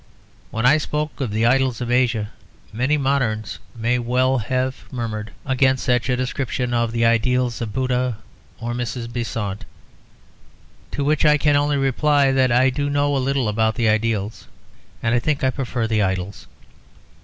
When I spoke of the idols of Asia, many moderns may well have murmured against such a description of the ideals of Buddha or Mrs. Besant. To which I can only reply that I do know a little about the ideals, and I think I prefer the idols.